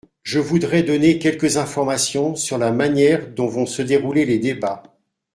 Je voudrais donner quelques informations sur la manière dont vont se dérouler les débats.